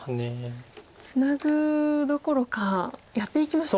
ツナぐどころかやっていきましたね。